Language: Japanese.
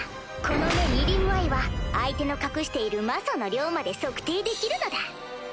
この目竜眼は相手の隠している魔素の量まで測定できるのだ！